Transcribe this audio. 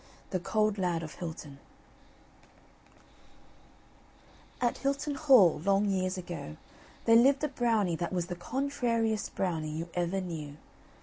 THE CAULD LAD OF HILTON At Hilton Hall, long years ago, there lived a Brownie that was the contrariest Brownie you ever knew.